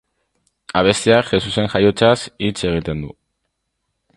Abestiak Jesusen jaiotzaz hitz egiten du.